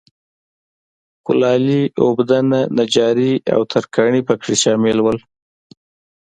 کولالي، اوبدنه، نجاري او ترکاڼي په کې شامل و.